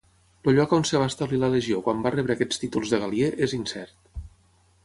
El lloc on es va establir la legió quan va rebre aquests títols de Gal·liè és incert.